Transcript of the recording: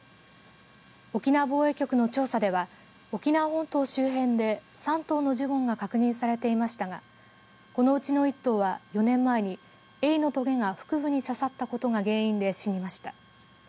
沖縄防衛局の調査では沖縄本島周辺で３頭のジュゴンが確認されていましたがこのうちの１頭は４年前にえいのとげが腹部に刺さったことが原因で死にました。